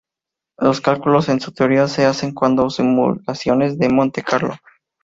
Los cálculos en esta teoría se hacen usando simulaciones de Monte Carlo.